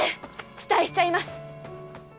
期待しちゃいます。